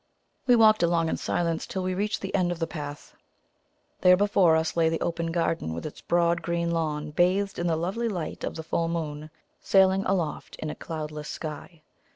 We walked along in silence till we reached the end of the path. There, before us, lay the open garden, with its broad green lawn, bathed in the lovely light of the full moon, sailing aloft in a cloudless sky.